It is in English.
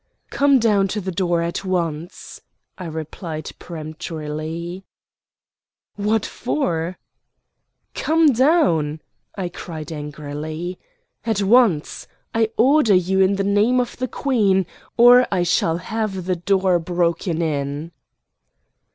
"Come down to the door at once," I replied peremptorily. "What for?" "Come down," I cried angrily. "At once. I order you in the name of the Queen or I shall have the door broken in."